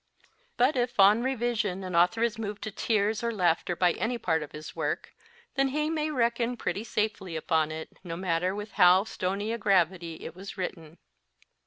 But if on revision an author is moved to tears or laughter by any part of his work, then he may reckon pretty safely upon it, no matter with how stony a gravity it was written.